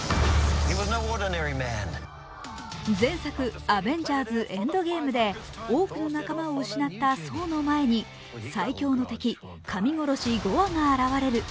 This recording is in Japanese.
前作「アベンジャーズ／エンドゲーム」で多くの仲間を失ったソーの前に最強の敵、神殺し・ゴアが現れる。